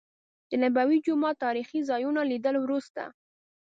د نبوي جومات تاريخي ځا يونو لیدلو وروسته.